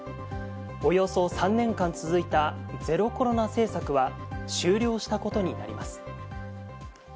およそ３年間続いたゼロコロナ政策は終了したことになります。